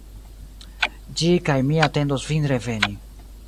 Ĝi kaj mi atendos vin reveni.